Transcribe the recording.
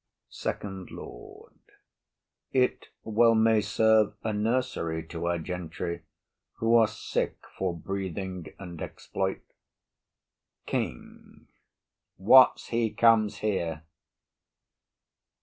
SECOND LORD. It well may serve A nursery to our gentry, who are sick For breathing and exploit. KING. What's he comes here?